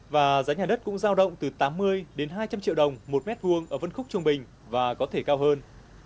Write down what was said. và giá nhà đất cũng giao động từ tám mươi đến hai trăm linh triệu đồng một mét vuông ở phân khúc trung bình và có thể cao hơn